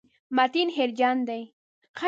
متین هېرجن دی.